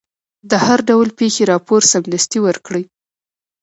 د هر ډول پېښې راپور سمدستي ورکړئ.